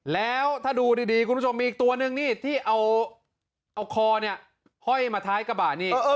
แล้วถ้าดูดีคุณผู้ชมมีอีกตัวนึงนี่ที่เอาคอเนี่ยห้อยมาท้ายกระบะนี่